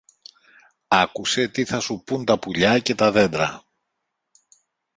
άκουσε τι θα σου πουν τα πουλιά και τα δέντρα